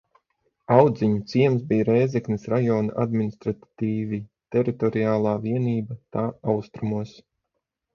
Auziņu ciems bija Rēzeknes rajona administratīvi teritoriāla vienība tā austrumos.